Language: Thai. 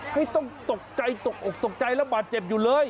ให้ต้องตกใจตกอกตกใจและบาดเจ็บอยู่เลย